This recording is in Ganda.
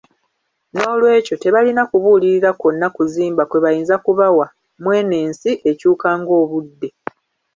N'olwekyo tebalina kubuulirira kwonna kuzimba kwe bayinza kubawa mu eno ensi ekyuka ng'obudde.